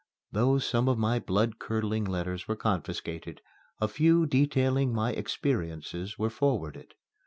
Though some of my blood curdling letters were confiscated, a few detailing my experiences were forwarded.